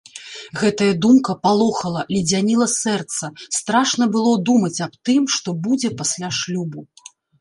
Гэтая думка палохала, ледзяніла сэрца, страшна было думаць аб тым, што будзе пасля шлюбу.